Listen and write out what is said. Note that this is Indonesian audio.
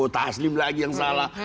taslim lagi yang salah